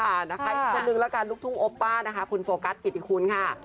น่ารักค่ะอีกคนหนึ่งละกันลูกทุ้งโอปป้าคุณโฟกัสกิติคุณค่ะ